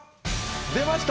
出ました！